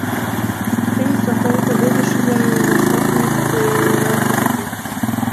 Тений сортовой «Победа» шӱльым вашталтымаште нимогай шот уке.